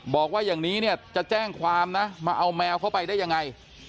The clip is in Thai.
บอกว่าอย่างนี้เนี่ยจะแจ้งความนะมาเอาแมวเข้าไปได้ยังไง